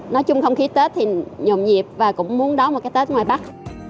nói chung không khí tết thì nhộn nhịp và cũng muốn đóng một cái tết ngoài bắc